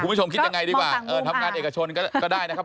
คุณผู้ชมคิดยังไงดีกว่าทำงานเอกชนก็ได้นะครับ